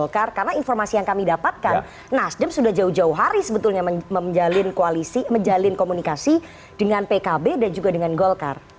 karena itu sudah sudah jauh jauh hari sebetulnya menjalin komunikasi dengan pkb dan juga dengan golkar